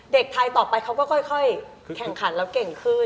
เด็กไทยต่อไปเขาก็ค่อยแข่งขันแล้วเก่งขึ้น